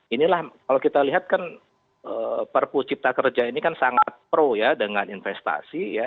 inilah kalau kita lihat kan perpu cipta kerja ini kan sangat pro ya dengan investasi ya